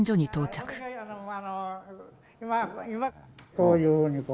こういうふうに。